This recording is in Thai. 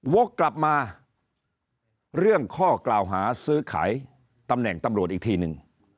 วกกลับมาเรื่องข้อกล่าวหาซื้อขายตำแหน่งตำรวจอีกทีนึง